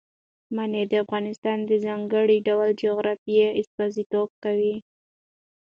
منی د افغانستان د ځانګړي ډول جغرافیه استازیتوب کوي.